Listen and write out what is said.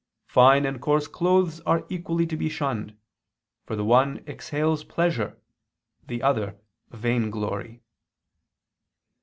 Fine and coarse clothes are equally to be shunned, for the one exhales pleasure, the other vainglory."